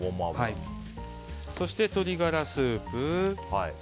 そして鶏ガラスープ。